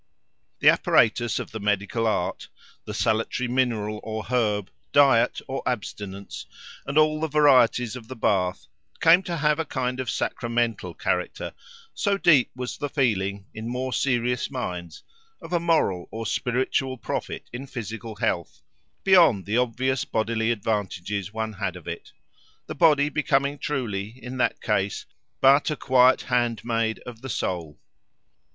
The apparatus of the medical art, the salutary mineral or herb, diet or abstinence, and all the varieties of the bath, came to have a kind of sacramental character, so deep was the feeling, in more serious minds, of a moral or spiritual profit in physical health, beyond the obvious bodily advantages one had of it; the body becoming truly, in that case, but a quiet handmaid of the soul.